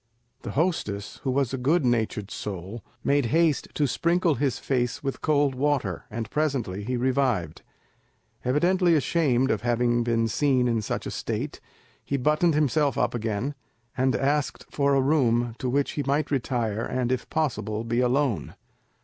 The hostess, who was a good natured soul, made haste to sprinkle his face with cold water, and presently he revived. Evidently ashamed of having been seen in such a state, he buttoned himself up again, and asked for a room to which he might retire, and, if possible, be alone.